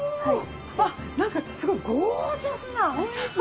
あっなんかすごいゴージャスな雰囲気！